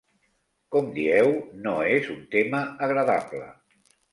Com dieu, no és un tema agradable.